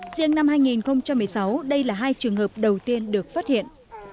riêng năm hai nghìn một mươi sáu đây là hai trường hợp đầu tiên được phát hiện